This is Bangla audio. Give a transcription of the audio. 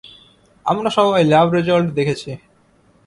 আমরা সবাই ল্যাব রেজাল্ট দেখেছি!